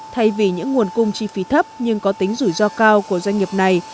thay vì những nguồn cung chi phí thấp nhưng có tính rủi ro cao của doanh nghiệp này